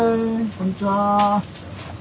こんにちは。